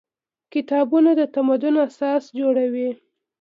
کتابونه د تمدن اساس جوړوي.